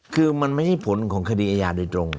คือมันไม่ใช่ผลของคดีอาญาโดยตรง